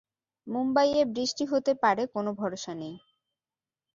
মুম্বাইয়ে বৃষ্টি হতে পারে কোন ভরসা নেই।